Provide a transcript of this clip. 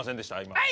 はい！